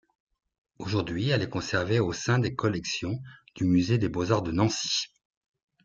Aujourd'hui, elle est conservée au sein des collections du musée des Beaux-Arts de Nancy.